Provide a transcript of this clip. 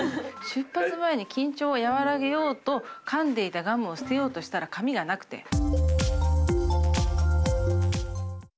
「出発前に緊張を和らげようとかんでいたガムを捨てようとしたら紙がなくて」。